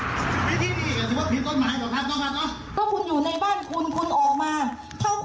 ญาติพี่น้ำคุณอยู่กับรุนาออกมาคุยกับเราค่ะ